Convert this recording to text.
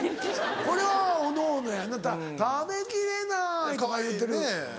これはおのおのやんな「食べきれない」とか言うてる。